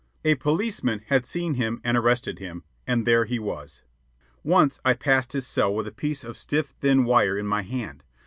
A policeman had seen him and arrested him, and there he was. Once I passed his cell with a piece of stiff thin wire in my hand.